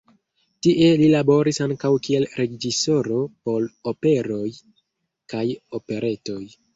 Tie li laboris ankaŭ kiel reĝisoro por operoj kaj operetoj.